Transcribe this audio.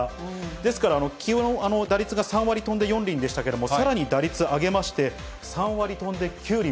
ですからきのうの打率が３割とんで４厘でしたけど、さらに打率上げまして、３割飛んで９厘。